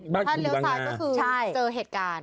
ถ้าเลี้ยวซ้ายก็คือเจอเหตุการณ์